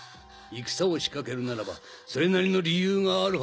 戦を仕掛けるならばそれなりの理由があるはず。